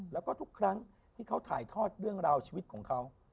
แล้วก็ทุกครั้งที่เขาถ่ายทอดเรื่องราวชีวิตของเขา